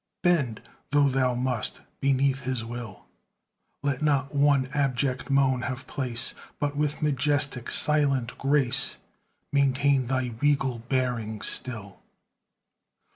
Bend though thou must, beneath his will, Let not one abject moan have place; But with majestic, silent grace, Maintain thy regal bearing still.